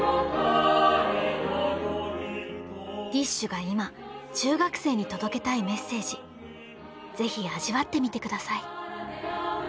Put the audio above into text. ＤＩＳＨ／／が今中学生に届けたいメッセージ是非味わってみて下さい。